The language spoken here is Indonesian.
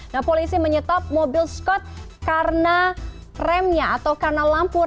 nah polisi menyetop mobil scott karena remnya atau karena lampunya